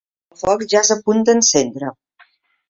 El foc ja és a punt d'encendre.